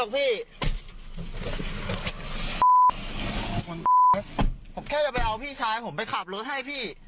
ผมแค่จะไปเอาพี่ชายผมไปขับรถให้พี่